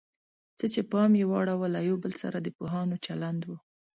څه چې پام یې واړاوه له یو بل سره د پوهانو چلند و.